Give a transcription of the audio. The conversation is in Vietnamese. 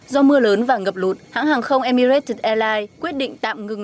do mưa lớn và ngập lụt hãng hàng không emirated airlines quyết định tạm ngừng